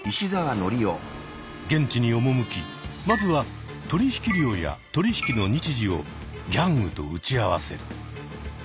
現地に赴きまずは取引量や取引の日時をギャングと打ち合わせる。